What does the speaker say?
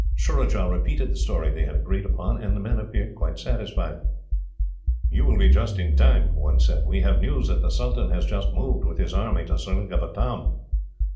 Surajah repeated the story they had agreed upon, and the men appeared quite satisfied. "You will be just in time," one said. "We have news that the sultan has just moved, with his army, to Seringapatam.